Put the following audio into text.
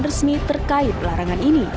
bagaimana cara mereka memperbaiki kemampuan ini